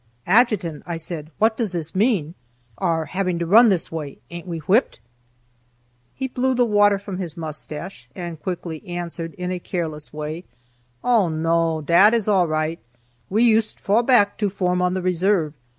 "Adjutant," I said, "What does this mean our having to run this way? Ain't we whipped?" He blew the water from his mustache, and quickly answered in a careless way: "Oh, no; dat is all ride. We yoost fall back to form on the reserve.